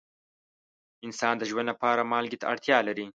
انسان د ژوند لپاره مالګې ته اړتیا لري.